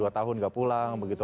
sudah dua tahun nggak pulang begitu